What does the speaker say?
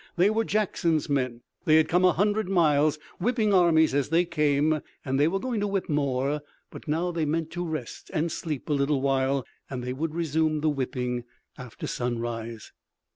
They were Jackson's men. They had come a hundred miles, whipping armies as they came, and they were going to whip more. But now they meant to rest and sleep a little while, and they would resume the whipping after sunrise.